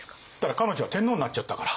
彼女は天皇になっちゃったから。